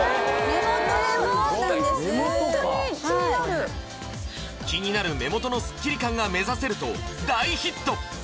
目元ホントに気になる気になる目元のスッキリ感が目指せると大ヒット